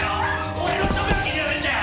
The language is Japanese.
俺のどこが気に入らねえんだよ！？